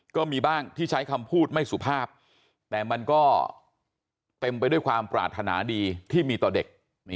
ก็มีบ้างที่ใช้คำพูดไม่สุภาพแต่มันก็เต็มไปด้วยความปรารถนาดีที่มีต่อเด็ก